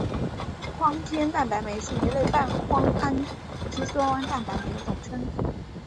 胱天蛋白酶是一类半胱氨酸蛋白酶的统称。